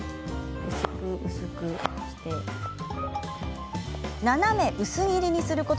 薄く薄くして。